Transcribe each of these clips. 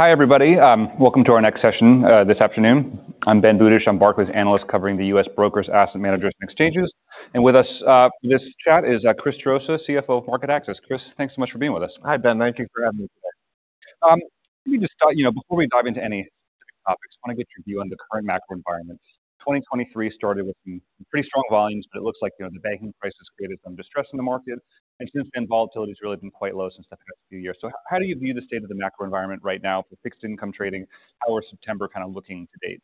Hi, everybody. Welcome to our next session, this afternoon. I'm Ben Budish. I'm Barclays analyst, covering the U.S. brokers, asset managers, and exchanges. With us, this chat is Chris Gerosa, CFO of MarketAxess. Chris, thanks so much for being with us. Hi, Ben. Thank you for having me today. Let me just start. You know, before we dive into any specific topics, I wanna get your view on the current macro environment. 2023 started with some pretty strong volumes, but it looks like, you know, the banking crisis created some distress in the market, and since then, volatility has really been quite low since the past few years. So how do you view the state of the macro environment right now for fixed income trading? How is September kind of looking to date?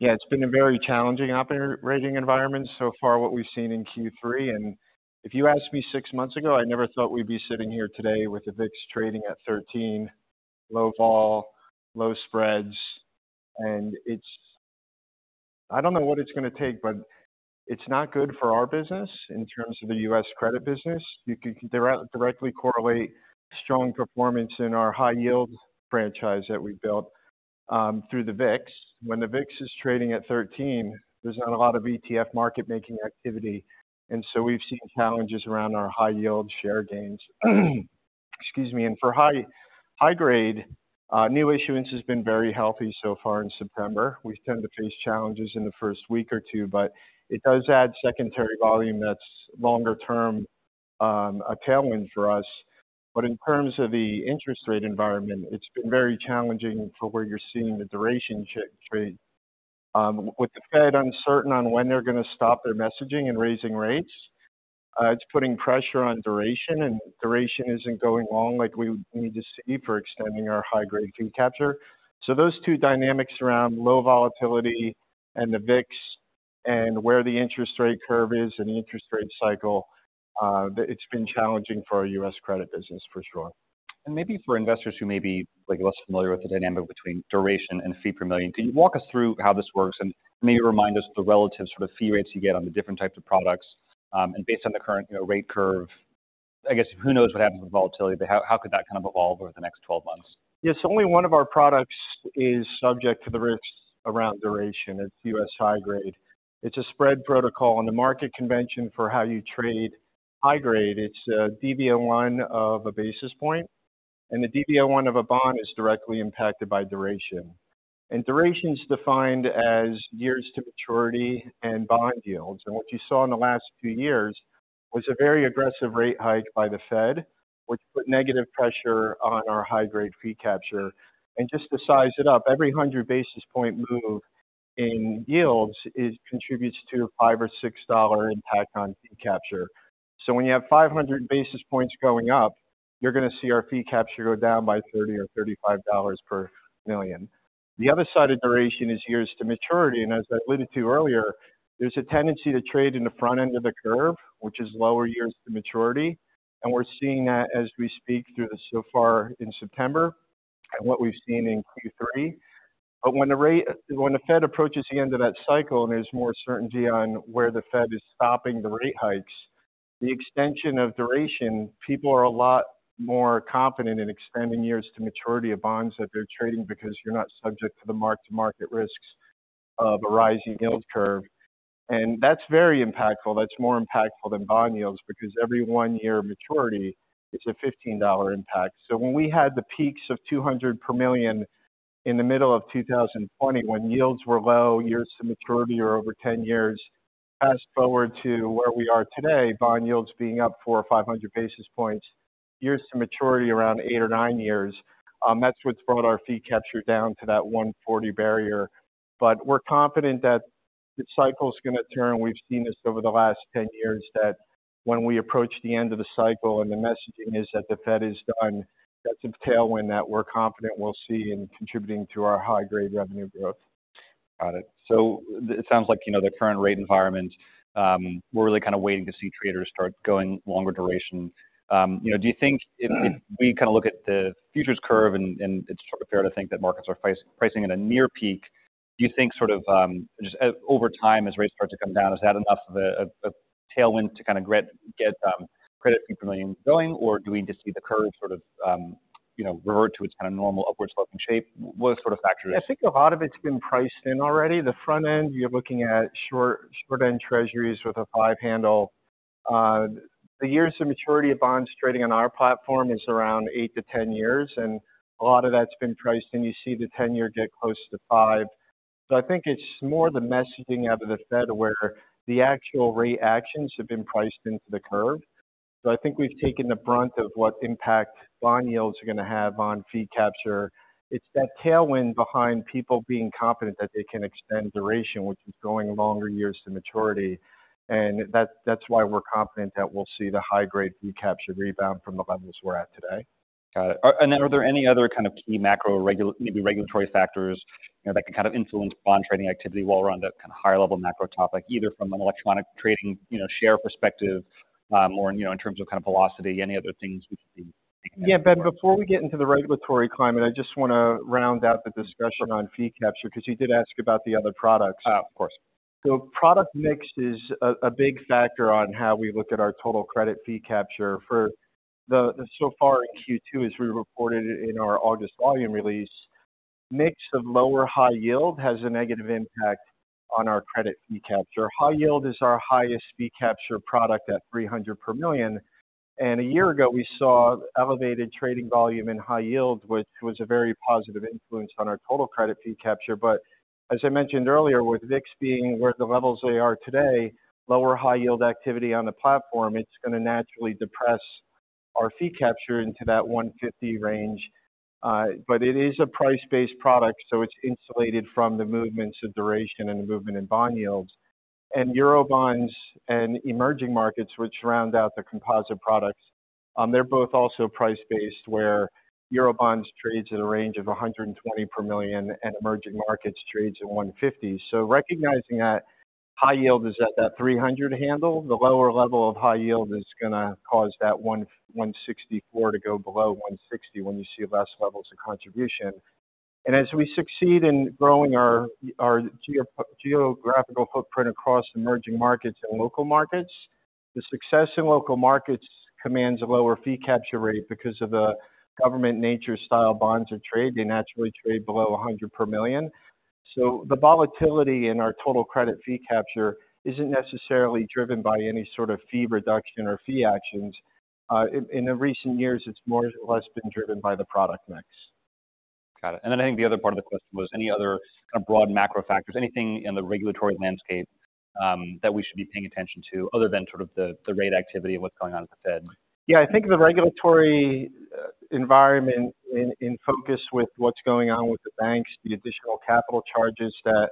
Yeah, it's been a very challenging operating environment so far, what we've seen in Q3, and if you asked me six months ago, I never thought we'd be sitting here today with the VIX trading at 13, low vol, low spreads. And it's, I don't know what it's gonna take, but it's not good for our business in terms of the U.S. credit business. You can directly correlate strong performance in our high yield franchise that we built through the VIX. When the VIX is trading at 13, there's not a lot of ETF market making activity, and so we've seen challenges around our high yield share gains. Excuse me. And for high grade, new issuance has been very healthy so far in September. We've tended to face challenges in the first week or two, but it does add secondary volume that's longer term tailwind for us. But in terms of the interest rate environment, it's been very challenging for where you're seeing the duration trade. With the Fed uncertain on when they're gonna stop their messaging and raising rates, it's putting pressure on duration, and duration isn't going long like we would need to see for extending our high-grade fee capture. So those two dynamics around low volatility and the VIX and where the interest rate curve is in the interest rate cycle, it's been challenging for our U.S. credit business for sure. Maybe for investors who may be, like, less familiar with the dynamic between duration and fee per million, can you walk us through how this works and maybe remind us the relative sort of fee rates you get on the different types of products? Based on the current, you know, rate curve, I guess, who knows what happens with volatility, but how could that kind of evolve over the next 12 months? Yes. Only one of our products is subject to the risks around duration. It's US high grade. It's a spread protocol, and the market convention for how you trade high grade, it's a DV01 of a basis point, and the DV01 of a bond is directly impacted by duration. Duration is defined as years to maturity and bond yields. What you saw in the last few years was a very aggressive rate hike by the Fed, which put negative pressure on our high-grade fee capture. Just to size it up, every 100 basis point move in yields contributes to a $5-$6 impact on fee capture. When you have 500 basis points going up, you're gonna see our fee capture go down by $30-$35 per million. The other side of duration is years to maturity, and as I alluded to earlier, there's a tendency to trade in the front end of the curve, which is lower years to maturity. We're seeing that as we speak through this so far in September and what we've seen in Q3. But when the Fed approaches the end of that cycle, and there's more certainty on where the Fed is stopping the rate hikes, the extension of duration, people are a lot more confident in extending years to maturity of bonds that they're trading because you're not subject to the mark-to-market risks of a rising yield curve. And that's very impactful. That's more impactful than bond yields, because every one year maturity, it's a $15 impact. So when we had the peaks of $200 per million in the middle of 2020, when yields were low, years to maturity or over 10 years, fast-forward to where we are today, bond yields being up 400 or 500 basis points, years to maturity, around 8 or 9 years, that's what's brought our fee capture down to that $140 barrier. But we're confident that the cycle is gonna turn. We've seen this over the last 10 years, that when we approach the end of the cycle, and the messaging is that the Fed is done, that's a tailwind that we're confident we'll see in contributing to our high-grade revenue growth. Got it. So it sounds like, you know, the current rate environment, we're really kind of waiting to see traders start going longer duration. You know, do you think if we kind of look at the futures curve, and it's sort of fair to think that markets are price-pricing at a near peak, do you think sort of, just over time, as rates start to come down, is that enough of a tailwind to kind of get credit per million going? Or do we just see the curve sort of, you know, revert to its kind of normal upward sloping shape? What sort of factors- I think a lot of it's been priced in already. The front end, you're looking at short, short-end Treasuries with a 5 handle. The years of maturity of bonds trading on our platform is around 8-10 years, and a lot of that's been priced in. You see the 10-year get close to 5. So I think it's more the messaging out of the Fed, where the actual rate actions have been priced into the curve. So I think we've taken the brunt of what impact bond yields are gonna have on fee capture. It's that tailwind behind people being confident that they can extend duration, which is going longer years to maturity, and that's, that's why we're confident that we'll see the high-grade fee capture rebound from the levels we're at today. Got it. And then are there any other kind of key macro maybe regulatory factors, you know, that can kind of influence bond trading activity while we're on the kind of higher level macro topic, either from an electronic trading, you know, share perspective, or, you know, in terms of kind of velocity, any other things we should be- Yeah, Ben, before we get into the regulatory climate, I just wanna round out the discussion on fee capture, because you did ask about the other products. Of course. So product mix is a big factor on how we look at our total credit fee capture. So far in Q2, as we reported in our August volume release, mix of lower High yield has a negative impact on our credit fee capture. High yield is our highest fee capture product at $300 per million, and a year ago, we saw elevated trading volume in High yield, which was a very positive influence on our total credit fee capture. But as I mentioned earlier, with VIX being where the levels they are today, lower High yield activity on the platform, it's gonna naturally depress our fee capture into that $150 range. But it is a price-based product, so it's insulated from the movements of duration and the movement in bond yields. Eurobonds and emerging markets, which round out the composite products, they're both also price-based, where Eurobonds trades at a range of $120 per million and emerging markets trades at $150. So recognizing that high yield is at that $300 handle, the lower level of high yield is gonna cause that 164 to go below 160 when you see less levels of contribution. And as we succeed in growing our geographical footprint across emerging markets and local markets, the success in local markets commands a lower fee capture rate because of the government nature style bonds or trade, they naturally trade below $100 per million. So the volatility in our total credit fee capture isn't necessarily driven by any sort of fee reduction or fee actions. In the recent years, it's more or less been driven by the product mix. Got it. And then I think the other part of the question was, any other kind of broad macro factors, anything in the regulatory landscape, that we should be paying attention to other than sort of the, the rate activity and what's going on at the Fed? Yeah, I think the regulatory environment in focus with what's going on with the banks, the additional capital charges that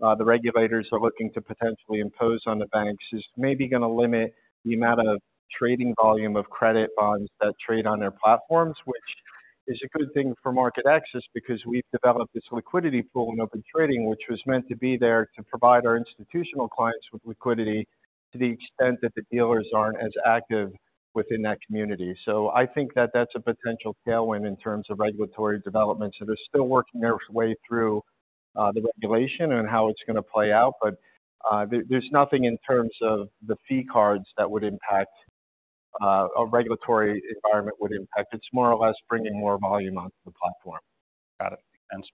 the regulators are looking to potentially impose on the banks, is maybe gonna limit the amount of trading volume of credit bonds that trade on their platforms. Which is a good thing for MarketAxess because we've developed this liquidity pool in Open Trading, which was meant to be there to provide our institutional clients with liquidity to the extent that the dealers aren't as active within that community. So I think that that's a potential tailwind in terms of regulatory development. So they're still working their way through the regulation and how it's gonna play out, but there, there's nothing in terms of the fee cards that would impact a regulatory environment would impact. It's more or less bringing more volume onto the platform. Got it. Thanks.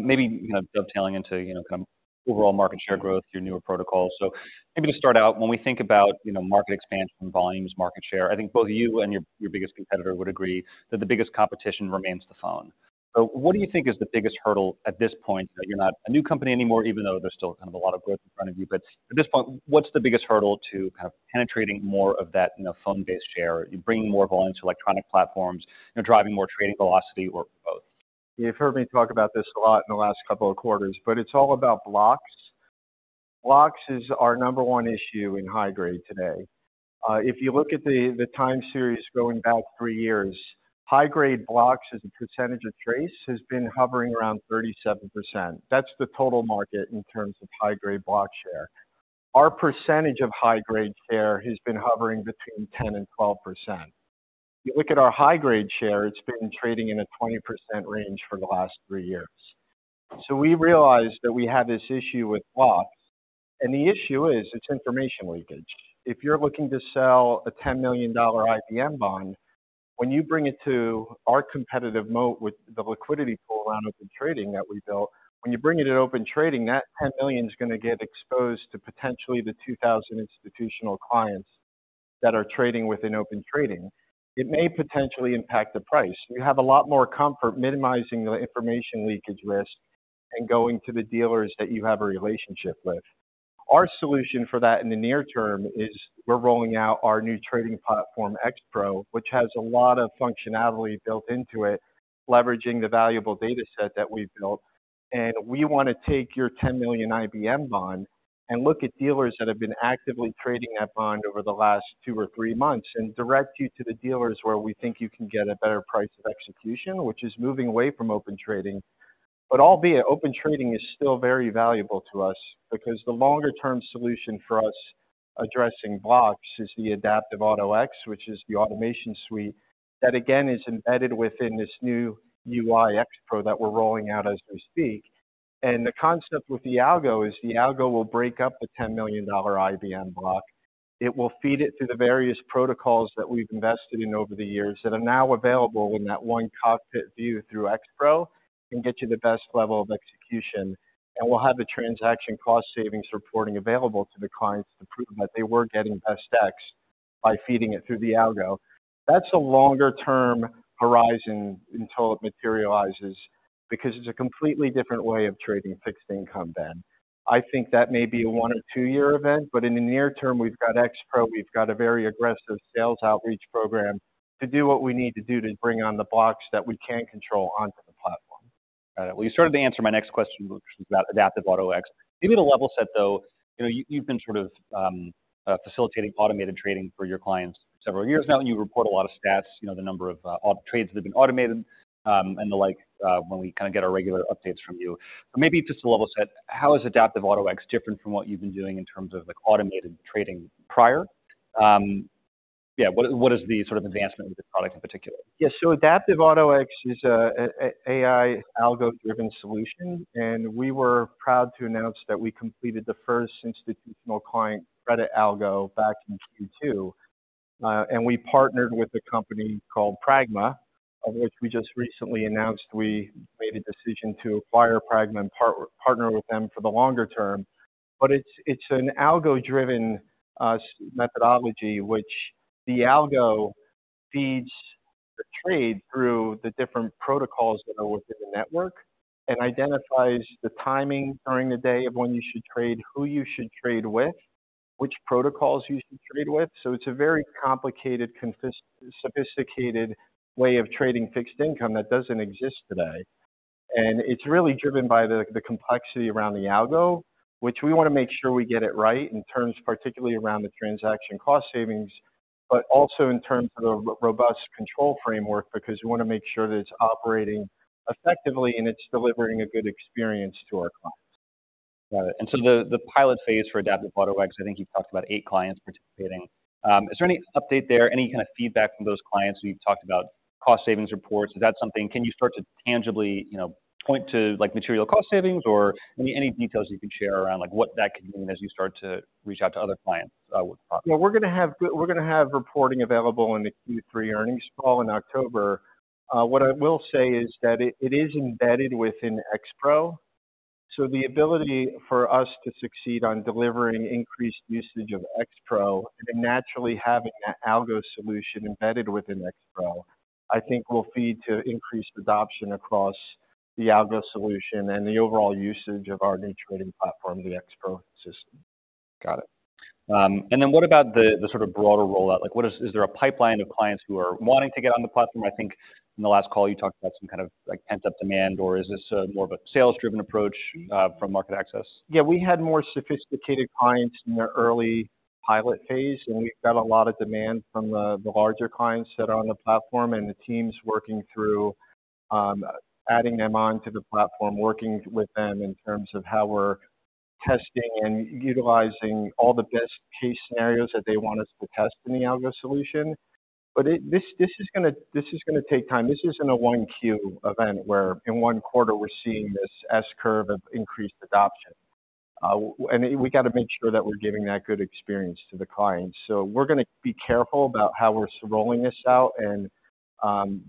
Maybe, you know, dovetailing into, you know, kind of overall market share growth through newer protocols. So maybe to start out, when we think about, you know, market expansion, volumes, market share, I think both you and your, your biggest competitor would agree that the biggest competition remains the phone. So what do you think is the biggest hurdle at this point, that you're not a new company anymore, even though there's still kind of a lot of growth in front of you, but at this point, what's the biggest hurdle to kind of penetrating more of that, you know, phone-based share? You're bringing more volume to electronic platforms, you're driving more trading velocity, or both. You've heard me talk about this a lot in the last couple of quarters, but it's all about blocks. Blocks is our number one issue in high grade today. If you look at the, the time series going back 3 years, high grade blocks as a percentage of TRACE, has been hovering around 37%. That's the total market in terms of high grade block share. Our percentage of high grade share has been hovering between 10%-12%. You look at our high grade share, it's been trading in a 20% range for the last 3 years. So we realized that we had this issue with blocks, and the issue is, it's information leakage. If you're looking to sell a $10 million IBM bond, when you bring it to our competitive moat with the liquidity pool around Open Trading that we built, when you bring it to Open Trading, that $10 million is gonna get exposed to potentially the 2,000 institutional clients that are trading within Open Trading. It may potentially impact the price. You have a lot more comfort minimizing the information leakage risk and going to the dealers that you have a relationship with. Our solution for that in the near term is we're rolling out our new trading platform, X-Pro, which has a lot of functionality built into it, leveraging the valuable data set that we've built. We wanna take your $10 million IBM bond and look at dealers that have been actively trading that bond over the last two or three months, and direct you to the dealers where we think you can get a better price of execution, which is moving away from open trading. Albeit, open trading is still very valuable to us because the longer term solution for us addressing blocks is the Adaptive Auto-X, which is the automation suite that, again, is embedded within this new UI X-Pro that we're rolling out as we speak. The concept with the algo is the algo will break up the $10 million IBM block. It will feed it through the various protocols that we've invested in over the years, that are now available in that one cockpit view through X-Pro, and get you the best level of execution. We'll have the transaction cost savings reporting available to the clients to prove that they were getting best ex by feeding it through the algo. That's a longer term horizon until it materializes, because it's a completely different way of trading fixed income then. I think that may be a one or two-year event, but in the near term, we've got X-Pro, we've got a very aggressive sales outreach program to do what we need to do to bring on the blocks that we can control onto the platform. Well, you started to answer my next question about Adaptive Auto-X. Give me the level set, though. You know, you've been sort of facilitating automated trading for your clients several years now, and you report a lot of stats, you know, the number of all trades that have been automated, and the like, when we kind of get our regular updates from you. But maybe just a level set, how is Adaptive Auto-X different from what you've been doing in terms of, like, automated trading prior? Yeah, what is, what is the sort of advancement with the product in particular? Yeah. So Adaptive Auto-X is an AI algo-driven solution, and we were proud to announce that we completed the first institutional client credit algo back in Q2, and we partnered with a company called Pragma, of which we just recently announced we made a decision to acquire Pragma and partner with them for the longer term. But it's an algo-driven methodology, which the algo feeds the trade through the different protocols that are within the network and identifies the timing during the day of when you should trade, who you should trade with, which protocols you should trade with. So it's a very complicated, sophisticated way of trading fixed income that doesn't exist today. It's really driven by the complexity around the algo, which we wanna make sure we get it right in terms particularly around the transaction cost savings, but also in terms of the robust control framework, because we wanna make sure that it's operating effectively and it's delivering a good experience to our clients. Got it. And so the pilot phase for Adaptive Auto-X, I think you talked about eight clients participating. Is there any update there, any kind of feedback from those clients? You've talked about cost savings reports. Is that something... Can you start to tangibly, you know, point to, like, material cost savings or any details you can share around, like, what that could mean as you start to reach out to other clients with Pragma? Well, we're gonna have reporting available in the Q3 earnings call in October. What I will say is that it, it is embedded within X-Pro, so the ability for us to succeed on delivering increased usage of X-Pro and naturally having that algo solution embedded within X-Pro, I think will feed to increased adoption across the algo solution and the overall usage of our new trading platform, the X-Pro system. Got it. And then what about the sort of broader rollout? Like, Is there a pipeline of clients who are wanting to get on the platform? I think in the last call, you talked about some kind of, like, pent-up demand, or is this more of a sales-driven approach from MarketAxess? Yeah, we had more sophisticated clients in their early pilot phase, and we've got a lot of demand from the larger clients that are on the platform, and the teams working through adding them on to the platform, working with them in terms of how we're testing and utilizing all the best case scenarios that they want us to test in the algo solution. But it... This, this is gonna. This is gonna take time. This isn't a one-quarter event, where in one quarter we're seeing this S-curve of increased adoption. And we got to make sure that we're giving that good experience to the client. So we're gonna be careful about how we're rolling this out, and,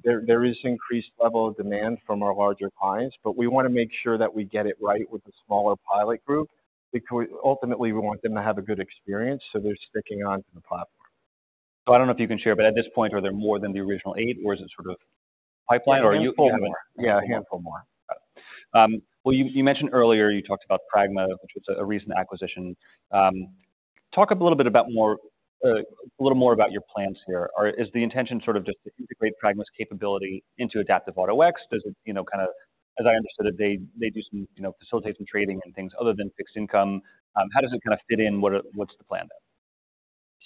there is increased level of demand from our larger clients, but we wanna make sure that we get it right with the smaller pilot group, because ultimately we want them to have a good experience, so they're sticking on to the platform. I don't know if you can share, but at this point, are there more than the original eight, or is it sort of pipeline or you- Yeah, a handful more. Yeah, a handful more. Got it. Well, you mentioned earlier, you talked about Pragma, which was a recent acquisition. Talk a little bit about more, a little more about your plans here. Is the intention sort of just to integrate Pragma's capability into Adaptive Auto-X? Does it, you know, kind of... As I understood it, they do some, you know, facilitate some trading and things other than fixed income. How does it kind of fit in? What's the plan there?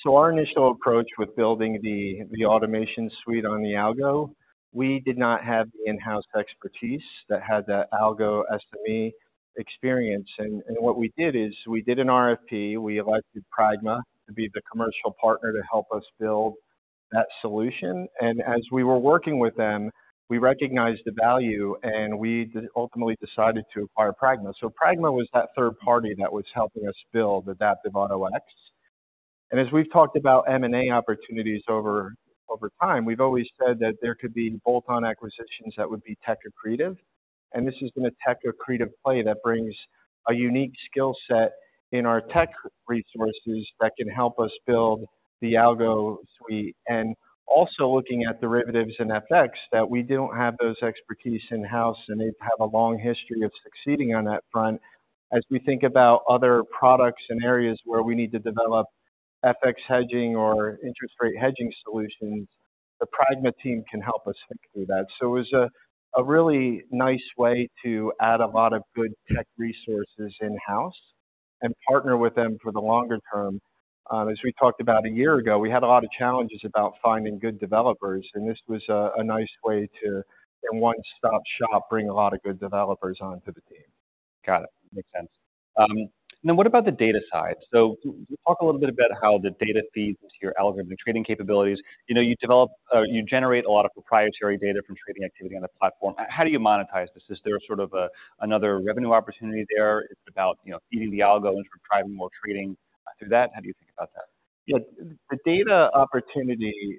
So our initial approach with building the automation suite on the algo, we did not have the in-house expertise that had that algo SME experience. And what we did is, we did an RFP. We elected Pragma to be the commercial partner to help us build that solution. And as we were working with them, we recognized the value, and we ultimately decided to acquire Pragma. So Pragma was that third party that was helping us build Adaptive Auto-X. And as we've talked about M&A opportunities over time, we've always said that there could be bolt-on acquisitions that would be tech accretive, and this has been a tech accretive play that brings a unique skill set in our tech resources that can help us build the algo suite. Also looking at derivatives and FX, that we don't have those expertise in-house, and they've had a long history of succeeding on that front. As we think about other products and areas where we need to develop FX hedging or interest rate hedging solutions, the Pragma team can help us think through that. It was a really nice way to add a lot of good tech resources in-house and partner with them for the longer term. As we talked about a year ago, we had a lot of challenges about finding good developers, and this was a nice way to, in one-stop-shop, bring a lot of good developers onto the team. Got it. Makes sense. Now, what about the data side? So talk a little bit about how the data feeds into your algorithmic trading capabilities. You know, you develop, you generate a lot of proprietary data from trading activity on the platform. How do you monetize this? Is there sort of another revenue opportunity there? It's about, you know, feeding the algo and driving more trading through that. How do you think about that? Yeah. The data opportunity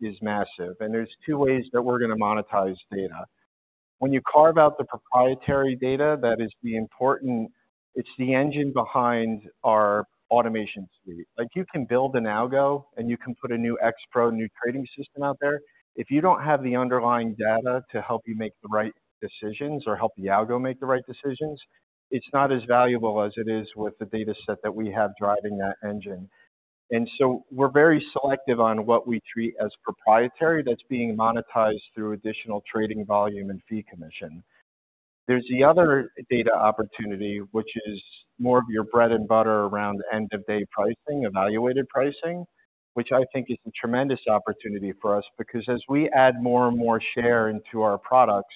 is massive, and there's two ways that we're gonna monetize data. When you carve out the proprietary data, that is the important... It's the engine behind our automation suite. Like, you can build an algo, and you can put a new X-Pro, new trading system out there. If you don't have the underlying data to help you make the right decisions or help the algo make the right decisions, it's not as valuable as it is with the data set that we have driving that engine. And so we're very selective on what we treat as proprietary that's being monetized through additional trading volume and fee commission. There's the other data opportunity, which is more of your bread and butter around end-of-day pricing, evaluated pricing, which I think is a tremendous opportunity for us. Because as we add more and more share into our products,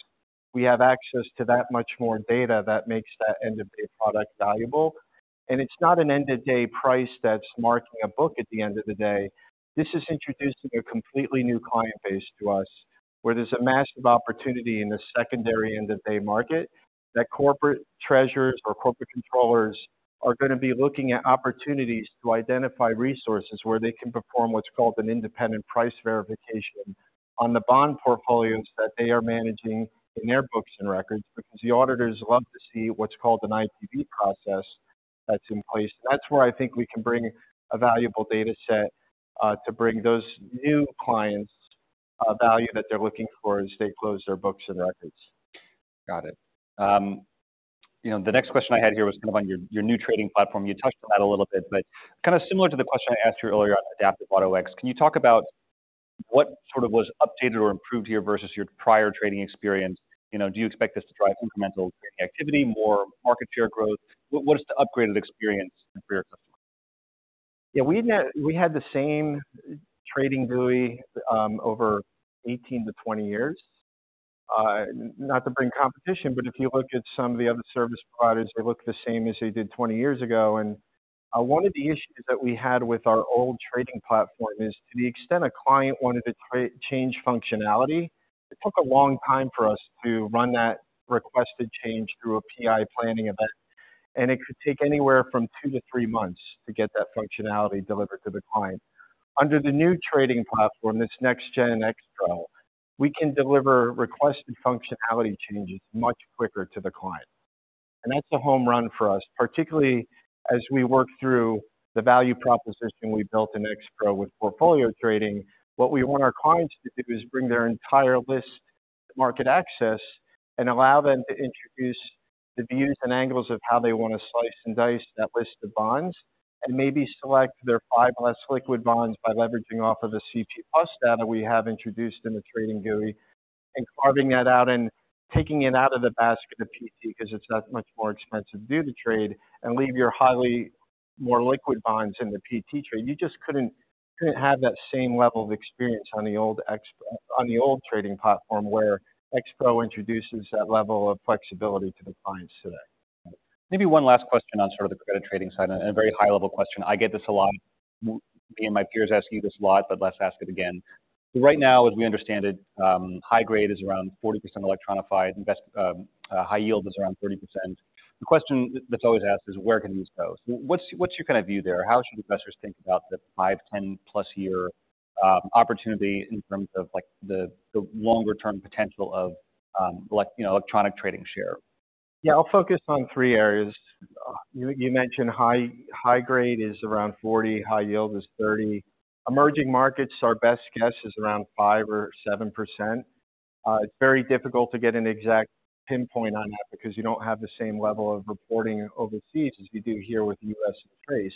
we have access to that much more data that makes that end-of-day product valuable. And it's not an end-of-day price that's marking a book at the end of the day. This is introducing a completely new client base to us, where there's a massive opportunity in the secondary end-of-day market, that corporate treasurers or corporate controllers are gonna be looking at opportunities to identify resources where they can perform what's called an independent price verification on the bond portfolios that they are managing in their books and records, because the auditors love to see what's called an IPV process that's in place. That's where I think we can bring a valuable data set to bring those new clients value that they're looking for as they close their books and records. Got it. You know, the next question I had here was kind of on your, your new trading platform. You touched on that a little bit, but kind of similar to the question I asked you earlier on Adaptive Auto-X. Can you talk about what sort of was updated or improved here versus your prior trading experience? You know, do you expect this to drive incremental trading activity, more market share growth? What, what is the upgraded experience for your customer? Yeah, we've had the same trading GUI over 18-20 years. Not to bring competition, but if you look at some of the other service providers, they look the same as they did 20 years ago. One of the issues that we had with our old trading platform is, to the extent a client wanted to change functionality, it took a long time for us to run that requested change through a PI planning event, and it could take anywhere from 2-3 months to get that functionality delivered to the client. Under the new trading platform, this NextGen X-Pro, we can deliver requested functionality changes much quicker to the client. That's a home run for us, particularly as we work through the value proposition we built in X-Pro with portfolio trading. What we want our clients to do is bring their entire list, MarketAxess, and allow them to introduce the views and angles of how they want to slice and dice that list of bonds, and maybe select their five less liquid bonds by leveraging off of the CP+ data we have introduced in the trading GUI. And carving that out and taking it out of the basket of PT, because it's that much more expensive to do the trade, and leave your highly more liquid bonds in the PT trade. You just couldn't have that same level of experience on the old X-Pro, on the old trading platform, where X-Pro introduces that level of flexibility to the clients today. Maybe one last question on sort of the credit trading side and a very high-level question. I get this a lot. Me and my peers ask you this a lot, but let's ask it again. Right now, as we understand it, high grade is around 40% electronified, high yield is around 30%. The question that's always asked is, where can these go? What's your kind of view there? How should investors think about the 5, 10+ year opportunity in terms of, like, the longer-term potential of, you know, electronic trading share? Yeah, I'll focus on three areas. You mentioned high grade is around 40, high yield is 30. Emerging markets, our best guess is around 5 or 7%. It's very difficult to get an exact pinpoint on that because you don't have the same level of reporting overseas as you do here with U.S. TRACE.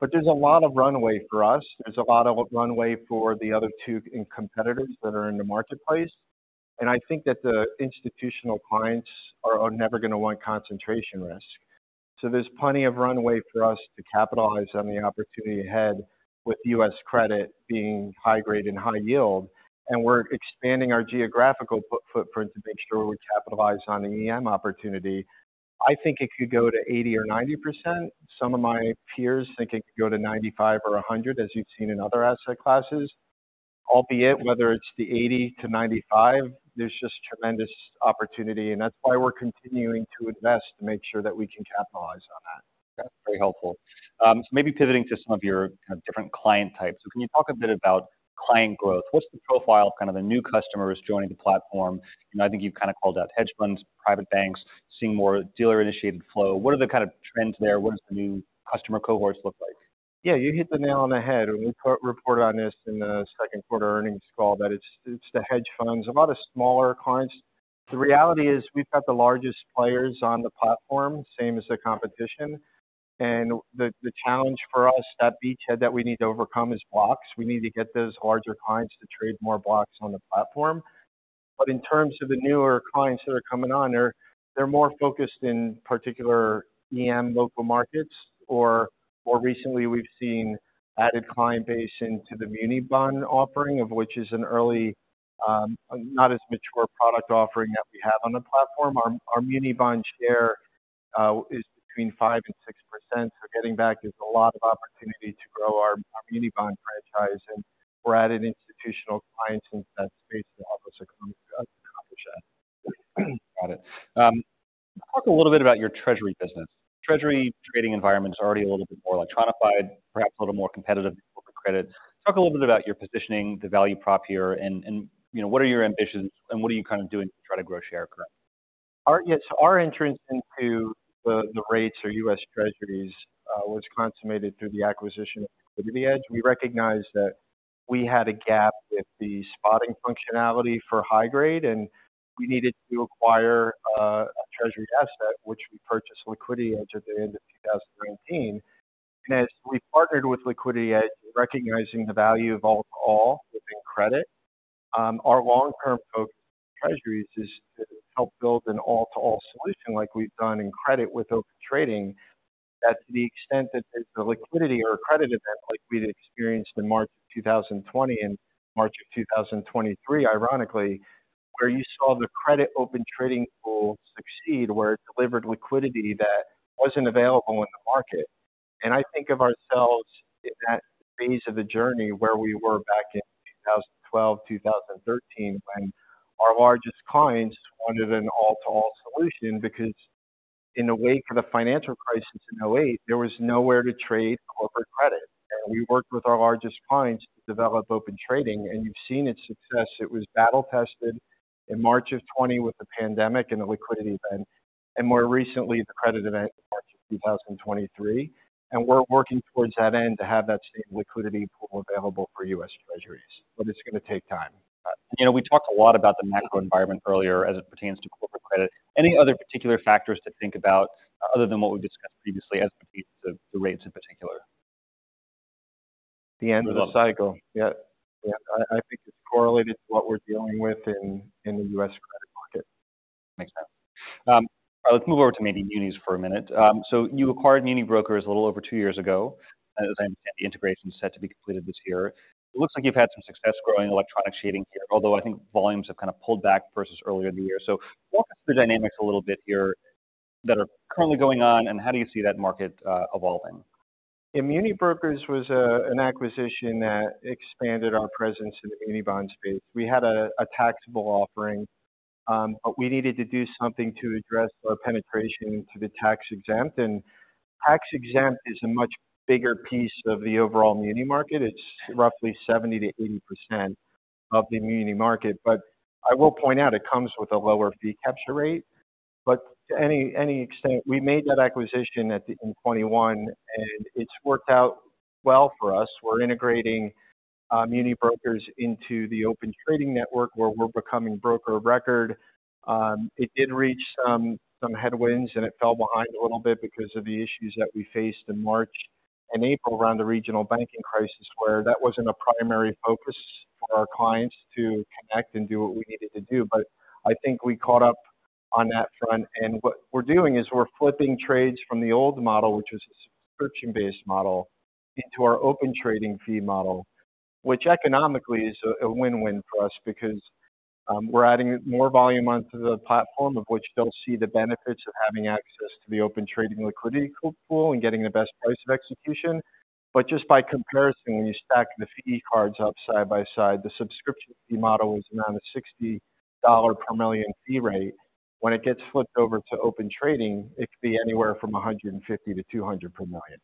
But there's a lot of runway for us. There's a lot of runway for the other two competitors that are in the marketplace, and I think that the institutional clients are never going to want concentration risk. So there's plenty of runway for us to capitalize on the opportunity ahead, with U.S. credit being high grade and high yield, and we're expanding our geographical footprint to make sure we capitalize on the EM opportunity. I think it could go to 80 or 90%. Some of my peers think it could go to 95 or 100, as you've seen in other asset classes. Albeit, whether it's the 80-95, there's just tremendous opportunity, and that's why we're continuing to invest to make sure that we can capitalize on that. That's very helpful. So maybe pivoting to some of your kind of different client types. So can you talk a bit about client growth? What's the profile of kind of the new customers joining the platform? And I think you've kind of called out hedge funds, private banks, seeing more dealer-initiated flow. What are the kind of trends there? What does the new customer cohorts look like? Yeah, you hit the nail on the head, and we put report on this in the second quarter earnings call, that it's, it's the hedge funds, a lot of smaller clients. The reality is we've got the largest players on the platform, same as the competition. And the, the challenge for us, that beachhead that we need to overcome, is blocks. We need to get those larger clients to trade more blocks on the platform. But in terms of the newer clients that are coming on, they're, they're more focused, in particular, EM local markets, or more recently, we've seen added client base into the muni bond offering, of which is an early, not as mature product offering that we have on the platform. Our, our muni bond share is between 5% and 6%. Getting back, there's a lot of opportunity to grow our muni bond franchise, and we're adding institutional clients in that space to help us accomplish that. Got it. Talk a little bit about your Treasury business. Treasury trading environment is already a little bit more electronified, perhaps a little more competitive than corporate credit. Talk a little bit about your positioning, the value prop here and, you know, what are your ambitions and what are you kind of doing to try to grow share current? Yes, our entrance into the rates or U.S. Treasuries was consummated through the acquisition of LiquidityEdge. We recognized that we had a gap with the spotting functionality for high grade, and we needed to acquire a treasury asset, which we purchased LiquidityEdge at the end of 2019. As we partnered with LiquidityEdge, recognizing the value of all-to-all within credit, our long-term focus Treasuries is to help build an all-to-all solution like we've done in credit with open trading. That, to the extent that the liquidity or a credit event, like we'd experienced in March of 2020 and March of 2023, ironically, where you saw the credit open trading pool succeed, where it delivered liquidity that wasn't available in the market. I think of ourselves in that phase of the journey, where we were back in 2012, 2013, when our largest clients wanted an all-to-all solution because in the wake of the financial crisis in 2008, there was nowhere to trade corporate credit. We worked with our largest clients to develop Open Trading, and you've seen its success. It was battle-tested in March 2020 with the pandemic and the liquidity event, and more recently, the credit event in March 2023. We're working towards that end to have that same liquidity pool available for U.S. Treasuries, but it's gonna take time. You know, we talked a lot about the macro environment earlier as it pertains to corporate credit. Any other particular factors to think about other than what we've discussed previously, as it pertains to the rates in particular? The end of the cycle. Yeah. Yeah. I, I think it's correlated to what we're dealing with in, in the U.S. credit market. Makes sense. Let's move over to maybe munis for a minute. So you acquired MuniBrokers a little over two years ago. As I understand, the integration is set to be completed this year. It looks like you've had some success growing electronic trading here, although I think volumes have kind of pulled back versus earlier in the year. So walk us through the dynamics a little bit here that are currently going on, and how do you see that market, evolving? Yeah, MuniBrokers was an acquisition that expanded our presence in the muni bond space. We had a taxable offering, but we needed to do something to address our penetration into the tax-exempt, and tax-exempt is a much bigger piece of the overall muni market. It's roughly 70%-80% of the muni market, but I will point out, it comes with a lower fee capture rate. But to any extent, we made that acquisition in 2021, and it's worked out well for us. We're integrating MuniBrokers into the Open Trading network, where we're becoming broker of record. It did reach some headwinds, and it fell behind a little bit because of the issues that we faced in March and April around the regional banking crisis, where that wasn't a primary focus for our clients to connect and do what we needed to do. But I think we caught up on that front, and what we're doing is we're flipping trades from the old model, which was a subscription-based model, into our Open Trading fee model. Which economically is a win-win for us because we're adding more volume onto the platform, of which they'll see the benefits of having access to the Open Trading liquidity pool and getting the best price of execution. But just by comparison, when you stack the fee cards up side by side, the subscription fee model is around a $60 per million fee rate. When it gets flipped over to Open Trading, it could be anywhere from $150-$200 per million.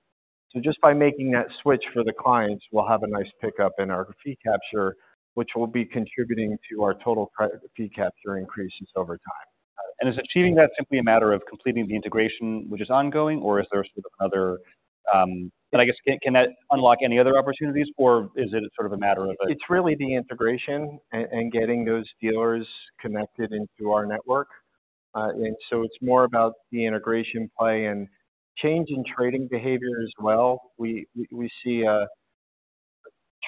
So just by making that switch for the clients, we'll have a nice pickup in our fee capture, which will be contributing to our total credit fee capture increases over time. Is achieving that simply a matter of completing the integration, which is ongoing, or is there sort of another, and I guess, can that unlock any other opportunities, or is it sort of a matter of a- It's really the integration and getting those dealers connected into our network. And so it's more about the integration play and change in trading behavior as well. We see a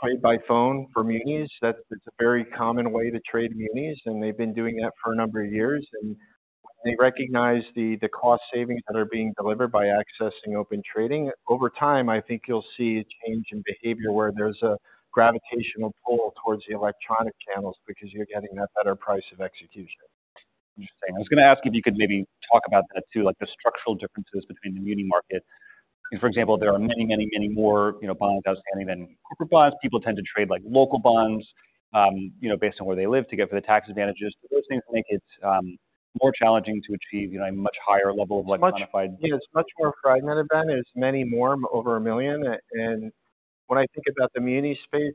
trade by phone for munis. That's, it's a very common way to trade munis, and they've been doing that for a number of years, and they recognize the cost savings that are being delivered by accessing open trading. Over time, I think you'll see a change in behavior, where there's a gravitational pull towards the electronic channels because you're getting that better price of execution. Interesting. I was gonna ask if you could maybe talk about that, too, like, the structural differences between the muni market... For example, there are many, many, many more, you know, bonds outstanding than corporate bonds. People tend to trade, like, local bonds, you know, based on where they live, to get the tax advantages. Those things make it more challenging to achieve, you know, a much higher level of, like, quantified- Yeah. It's much more fragmented than. There's many more, over 1 million, and when I think about the muni space,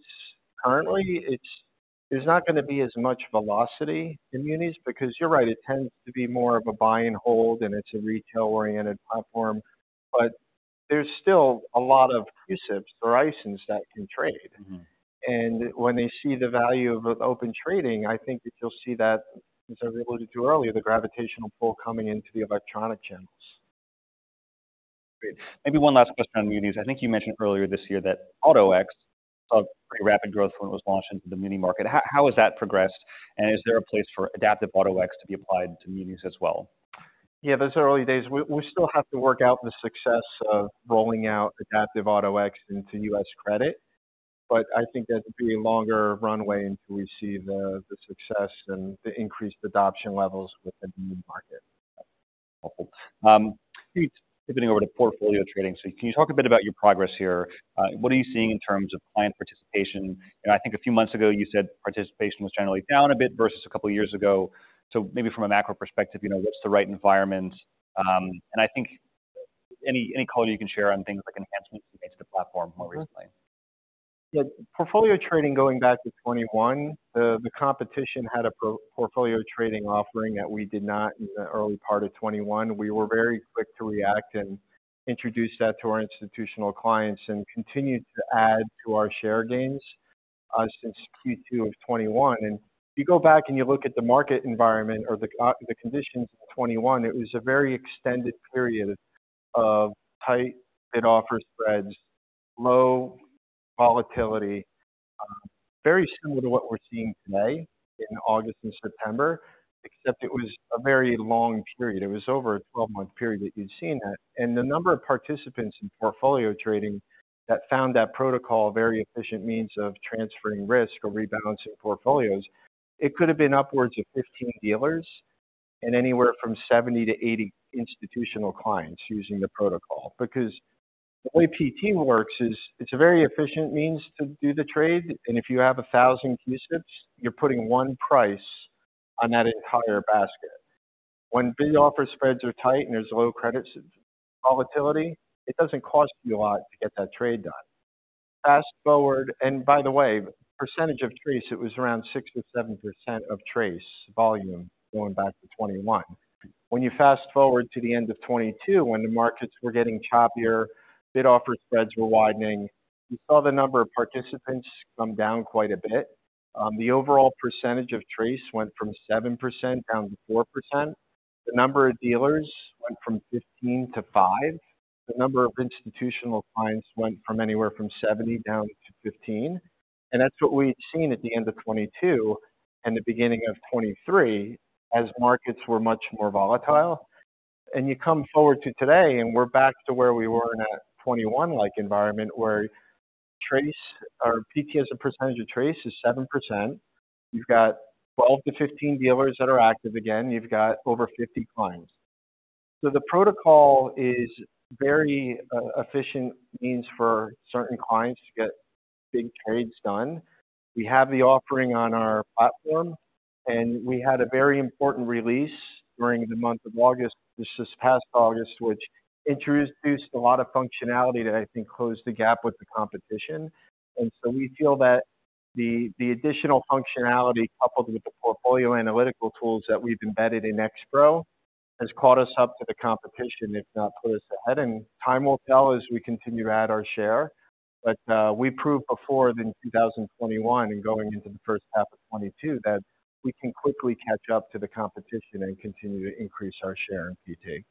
currently, it's. There's not gonna be as much velocity in munis. Because you're right, it tends to be more of a buy and hold, and it's a retail-oriented platform, but there's still a lot of precepts, horizons that can trade. Mm-hmm. When they see the value of Open Trading, I think that you'll see that, as I was able to do earlier, the gravitational pull coming into the electronic channels. Great. Maybe one last question on munis. I think you mentioned earlier this year that Auto-X, pretty rapid growth when it was launched into the muni market. How has that progressed, and is there a place for Adaptive Auto-X to be applied to munis as well? Yeah, those are early days. We still have to work out the success of rolling out Adaptive Auto-X into U.S. credit, but I think that'd be a longer runway until we see the success and the increased adoption levels with the muni market. Pivoting over to portfolio trading. So can you talk a bit about your progress here? What are you seeing in terms of client participation? And I think a few months ago, you said participation was generally down a bit versus a couple of years ago. So maybe from a macro perspective, you know, what's the right environment? And I think any color you can share on things like enhancements you made to the platform more recently. Yeah. Portfolio trading, going back to 2021, the competition had a portfolio trading offering that we did not in the early part of 2021. We were very quick to react and introduce that to our institutional clients and continued to add to our share gains since Q2 of 2021. If you go back and you look at the market environment or the conditions in 2021, it was a very extended period of tight bid-offer spreads, low volatility, very similar to what we're seeing today in August and September, except it was a very long period. It was over a 12-month period that you've seen that. The number of participants in portfolio trading that found that protocol a very efficient means of transferring risk or rebalancing portfolios, it could have been upwards of 15 dealers and anywhere from 70-80 institutional clients using the protocol. The way PT works is it's a very efficient means to do the trade, and if you have 1,000 pieces, you're putting 1 price on that entire basket. When bid-offer spreads are tight and there's low credits volatility, it doesn't cost you a lot to get that trade done. Fast forward - and by the way, percentage of TRACE, it was around 6%-7% of TRACE volume going back to 2021. When you fast forward to the end of 2022, when the markets were getting choppier, bid-offer spreads were widening. You saw the number of participants come down quite a bit. The overall percentage of TRACE went from 7% down to 4%. The number of dealers went from 15 to 5. The number of institutional clients went from anywhere from 70 down to 15, and that's what we've seen at the end of 2022 and the beginning of 2023, as markets were much more volatile. You come forward to today, and we're back to where we were in a 2021-like environment, where TRACE or PT as a percentage of TRACE is 7%. You've got 12-15 dealers that are active again, you've got over 50 clients. The protocol is very efficient means for certain clients to get big trades done. We have the offering on our platform, and we had a very important release during the month of August. This past August, which introduced a lot of functionality that I think closed the gap with the competition. And so we feel that the additional functionality, coupled with the portfolio analytical tools that we've embedded in XPro, has caught us up to the competition, if not put us ahead. And time will tell as we continue to add our share. But we proved before that in 2021 and going into the first half of 2022, that we can quickly catch up to the competition and continue to increase our share in PT.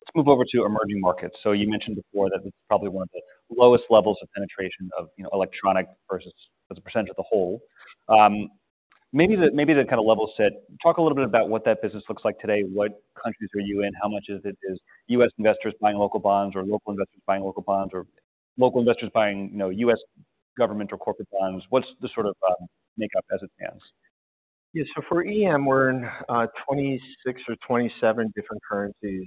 Let's move over to emerging markets. So you mentioned before that it's probably one of the lowest levels of penetration of, you know, electronic versus as a percentage of the whole. Maybe the kind of level set. Talk a little bit about what that business looks like today. What countries are you in? How much of it is U.S. investors buying local bonds, or local investors buying local bonds, or local investors buying, you know, U.S. government or corporate bonds? What's the sort of makeup as it stands? Yeah, so for EM, we're in 26 or 27 different currencies.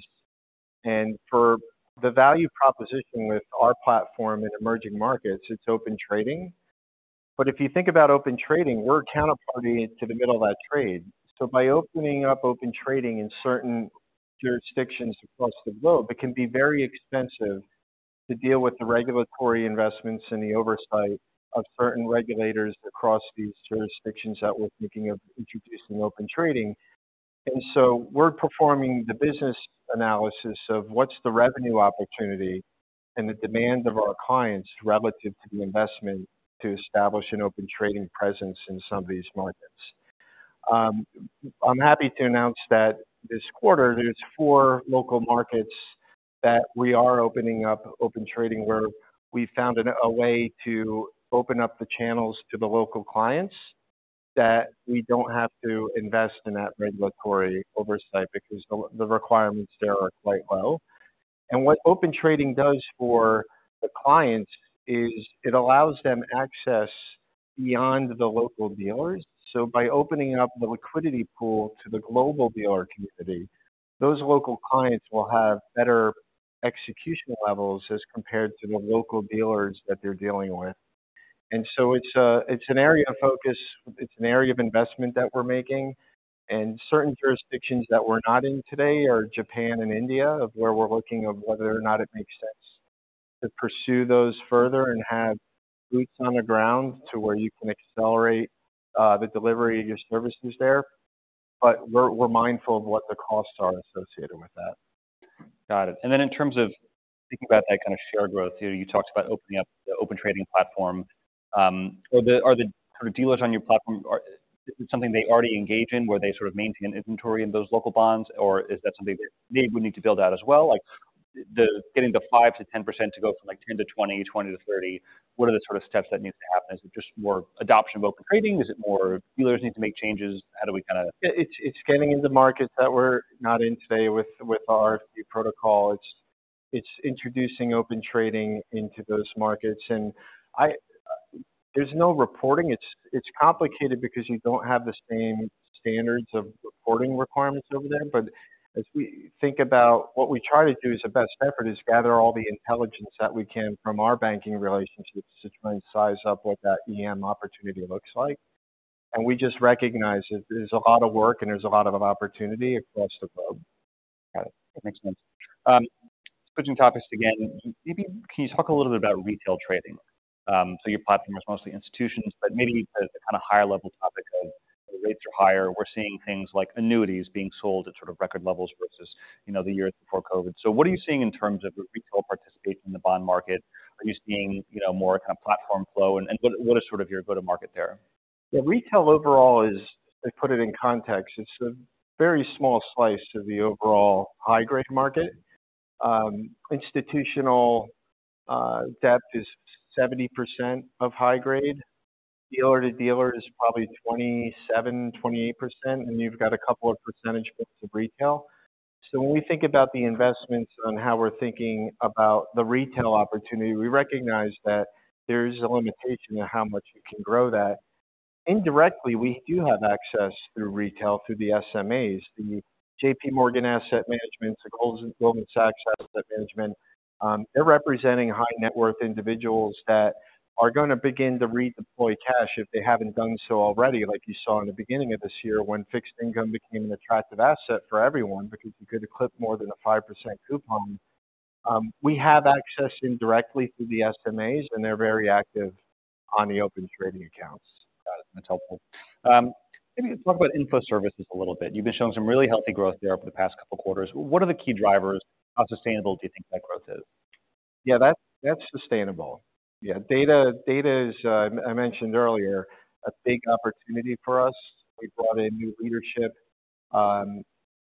And for the value proposition with our platform in emerging markets, it's Open Trading. But if you think about Open Trading, we're a counterparty to the middle of that trade. So by opening up Open Trading in certain jurisdictions across the globe, it can be very expensive to deal with the regulatory investments and the oversight of certain regulators across these jurisdictions that we're thinking of introducing Open Trading. And so we're performing the business analysis of what's the revenue opportunity and the demand of our clients relative to the investment to establish an Open Trading presence in some of these markets. I'm happy to announce that this quarter, there's four local markets that we are opening up Open Trading, where we found a way to open up the channels to the local clients, that we don't have to invest in that regulatory oversight because the requirements there are quite low. And what Open Trading does for the clients is it allows them access beyond the local dealers. So by opening up the liquidity pool to the global dealer community, those local clients will have better execution levels as compared to the local dealers that they're dealing with. And so it's an area of focus, it's an area of investment that we're making, and certain jurisdictions that we're not in today are Japan and India, of where we're looking whether or not it makes sense to pursue those further and have boots on the ground to where you can accelerate the delivery of your services there. But we're mindful of what the costs are associated with that. Got it. And then in terms of thinking about that kind of share growth, you, you talked about opening up the Open Trading platform. Are the kind of dealers on your platform, are... Is it something they already engage in, where they sort of maintain an inventory in those local bonds, or is that something that they would need to build out as well? Like, the getting to 5%-10% to go from, like, 10% to 20%, 20% to 30%, what are the sort of steps that needs to happen? Is it just more adoption of Open Trading? Is it more dealers need to make changes? How do we kind of- It's getting in the markets that we're not in today with our protocol. It's introducing Open Trading into those markets, and there's no reporting. It's complicated because you don't have the same standards of reporting requirements over there. But as we think about what we try to do as a best effort, is gather all the intelligence that we can from our banking relationships to try and size up what that EM opportunity looks like. And we just recognize that there's a lot of work and there's a lot of opportunity across the globe. Got it. That makes sense. Switching topics again. Maybe can you talk a little bit about retail trading? So your platform is mostly institutions, but maybe the kind of higher level topic of the rates are higher. We're seeing things like annuities being sold at sort of record levels versus, you know, the years before COVID. So what are you seeing in terms of retail participation in the bond market? Are you seeing, you know, more kind of platform flow, and what is sort of your go-to market there? Yeah, retail overall is, to put it in context, it's a very small slice of the overall high-grade market. Institutional depth is 70% of high-grade. Dealer to dealer is probably 27-28%, and you've got a couple of percentage points of retail. So when we think about the investments on how we're thinking about the retail opportunity, we recognize that there's a limitation to how much you can grow that. Indirectly, we do have access through retail, through the SMAs, the JP Morgan Asset Management, the Goldman Sachs Asset Management. They're representing high net worth individuals that are going to begin to redeploy cash if they haven't done so already, like you saw in the beginning of this year, when fixed income became an attractive asset for everyone because you could clip more than a 5% coupon. We have access indirectly through the SMAs, and they're very active on the open trading accounts. Got it. That's helpful. Maybe let's talk about info services a little bit. You've been showing some really healthy growth there over the past couple quarters. What are the key drivers? How sustainable do you think that growth is? Yeah, that's, that's sustainable. Yeah. Data, data is, I mentioned earlier, a big opportunity for us. We brought in new leadership,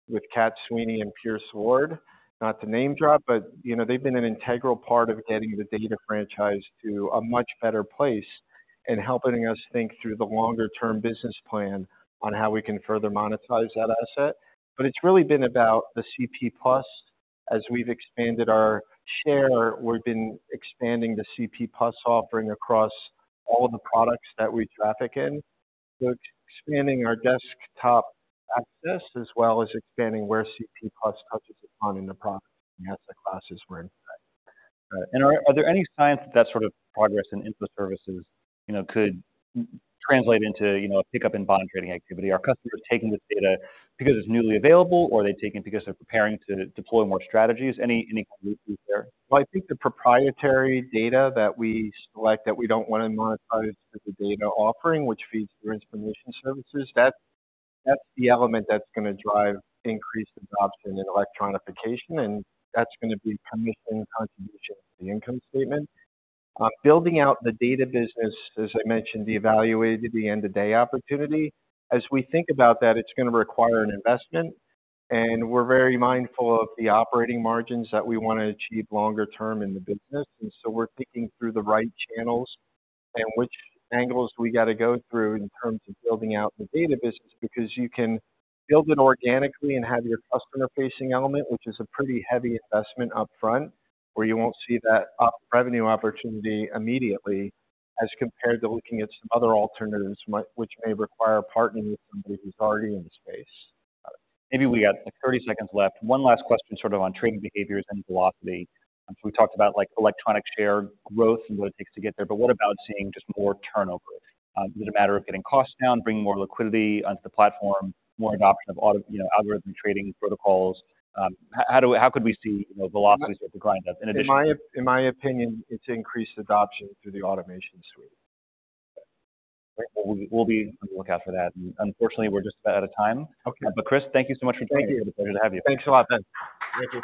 with Kat Sweeney and Pierce Ward. Not to name drop, but, you know, they've been an integral part of getting the data franchise to a much better place and helping us think through the longer term business plan on how we can further monetize that asset. But it's really been about the CP+. As we've expanded our share, we've been expanding the CP+ offering across all the products that we traffic in. So expanding our desktop access, as well as expanding where CP+ touches upon in the product, the asset classes we're in. Right. And are there any signs that that sort of progress in info services, you know, could translate into, you know, a pickup in bond trading activity? Are customers taking this data because it's newly available, or are they taking it because they're preparing to deploy more strategies? Any clues there? Well, I think the proprietary data that we select, that we don't want to monetize with the data offering, which feeds through information services, that's the element that's going to drive increased adoption and electronification, and that's going to be a permanent contribution to the income statement. Building out the data business, as I mentioned, evaluated the end-of-day opportunity. As we think about that, it's going to require an investment, and we're very mindful of the operating margins that we want to achieve longer term in the business. So we're thinking through the right channels and which angles we got to go through in terms of building out the data business. Because you can build it organically and have your customer-facing element, which is a pretty heavy investment up front, where you won't see that revenue opportunity immediately, as compared to looking at some other alternatives, which may require partnering with somebody who's already in the space. Got it. Maybe we got 30 seconds left. One last question, sort of, on trading behaviors and velocity. So we talked about, like, electronic share growth and what it takes to get there, but what about seeing just more turnover? Is it a matter of getting costs down, bringing more liquidity onto the platform, more adoption of auto-- you know, algorithmic trading protocols? How, how do we-- how could we see, you know, velocities with the client up in addition? In my opinion, it's increased adoption through the automation suite. Great. Well, we, we'll be on the lookout for that. Unfortunately, we're just about out of time. Okay. Chris, thank you so much for joining. Thank you. It's a pleasure to have you. Thanks a lot, Ben. Thank you.